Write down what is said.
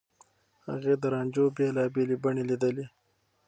هغې د رانجو بېلابېلې بڼې ليدلي.